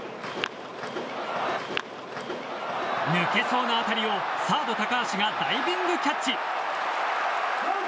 抜けそうな当たりをサード高橋がダイビングキャッチ。